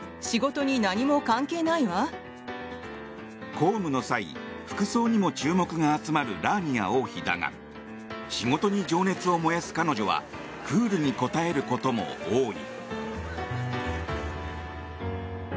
公務の際服装にも注目が集まるラーニア王妃だが仕事に情熱を燃やす彼女はクールに答えることも多い。